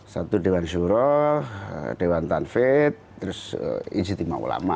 satu dewan syuroh dewan tanfet terus insetima ulama